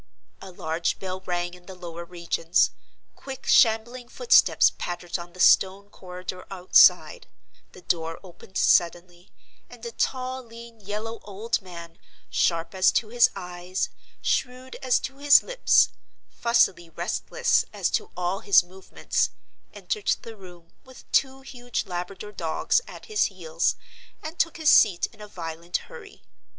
A large bell rang in the lower regions—quick, shambling footsteps pattered on the stone corridor outside—the door opened suddenly—and a tall lean yellow old man, sharp as to his eyes, shrewd as to his lips, fussily restless as to all his movements, entered the room, with two huge Labrador dogs at his heels, and took his seat in a violent hurry.